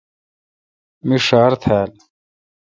می ݭار تھال۔